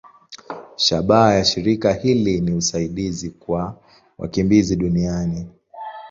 Shabaha ya shirika hili ni usaidizi kwa wakimbizi duniani.